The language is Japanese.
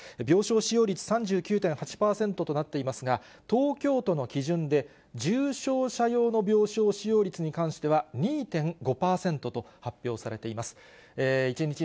病床使用率３９．８％となっていますが、東京都の基準で重症者用の病床使用率に関しては２．５％と発表されています。